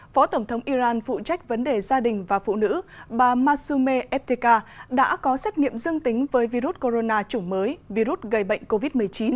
phó tổng thống iran phụ trách vấn đề gia đình và phụ nữ bà masume evteka đã có xét nghiệm dương tính với virus corona chủng mới virus gây bệnh covid một mươi chín